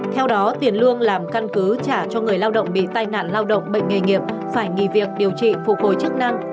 theo đó tiền lương làm căn cứ trả cho người lao động bị tai nạn lao động bệnh nghề nghiệp phải nghỉ việc điều trị phục hồi chức năng